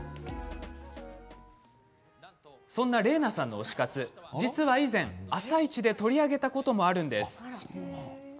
そんな伶奈さんの推し活実は以前「あさイチ」で取り上げたこともあるんです。